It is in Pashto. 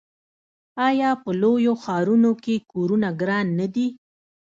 آیا په لویو ښارونو کې کورونه ګران نه دي؟